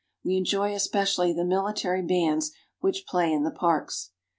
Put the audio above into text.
We enjoy especially the military bands which play in the parks.